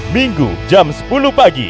minggu jam sepuluh pagi